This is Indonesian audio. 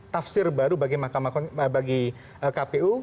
tafsir baru bagi kpu